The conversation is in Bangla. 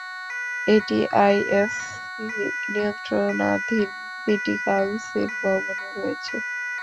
এটি আইএসসি নিয়ন্ত্রণাধীন সিটি কাউন্সিল ভবনে রয়েছে।